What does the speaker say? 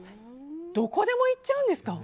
どこでも行っちゃうんですか。